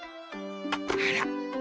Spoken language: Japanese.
あら。